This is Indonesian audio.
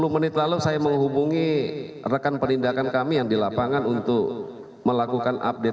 sepuluh menit lalu saya menghubungi rekan penindakan kami yang di lapangan untuk melakukan update